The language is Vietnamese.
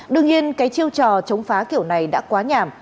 đương nhiên cái chiêu trò chống phá kiểu này đã quá nhảm